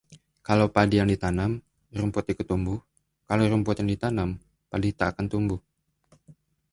Kalau padi yang ditanam, rumput ikut tumbuh; Kalau rumput yang ditanam, padi takkan tumbuh